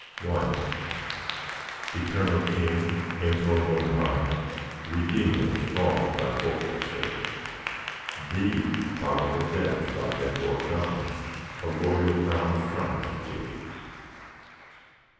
I Eternal King, enthroned on high, Redeemer, strong Thy folk to save; Thee, powerful death, by death o'ercome, A royal crown of triumph gave.